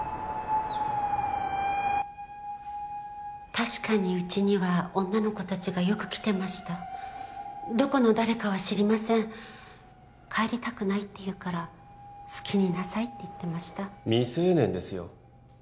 確かにうちには女の子達がよく来てましたどこの誰かは知りません帰りたくないって言うから好きになさいって言ってました未成年ですよ